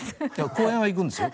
公園は行くんですよ。